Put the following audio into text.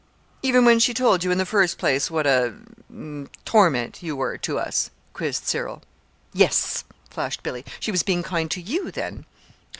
"Even when she told you in the first place what a er torment you were to us?" quizzed Cyril. "Yes," flashed Billy. "She was being kind to you, then."